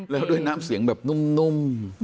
แล้วด้วยน้ำเสียงแบบนุ่ม